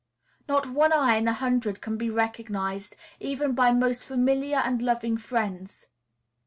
Not one eye in a hundred can be recognized, even by most familiar and loving friends.